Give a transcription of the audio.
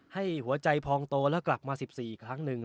ให้หัวใจพองโตแล้วกลับมา๑๔อีกครั้งหนึ่ง